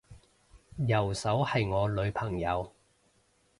右手係我女朋友